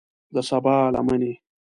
د سبا لمنې